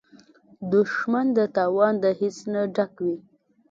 دښمن د تاوان د حس نه ډک وي